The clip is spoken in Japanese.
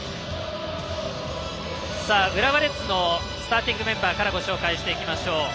浦和レッズのスターティングメンバーからご紹介してまいります。